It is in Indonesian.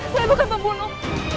saya bukan pembunuh